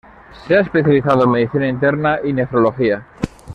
Se ha especializado en medicina interna y nefrología.